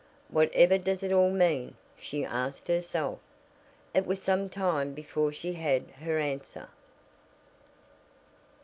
"Whatever does it all mean?" she asked herself. It was some time before she had her answer.